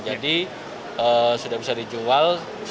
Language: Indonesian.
jadi sudah bisa dijual